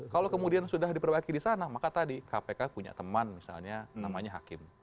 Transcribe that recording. kalau kemudian sudah diperbaiki di sana maka tadi kpk punya teman misalnya namanya hakim